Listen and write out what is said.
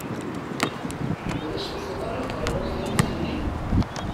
Ur as-tufiḍ ara aqerru i taluft-nni?